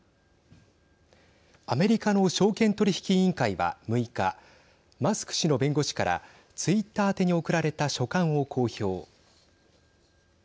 アメリカの証券取引委員会は６日マスク氏の弁護士からツイッター宛てに送られた書簡を公表。